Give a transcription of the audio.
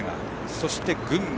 そして群馬。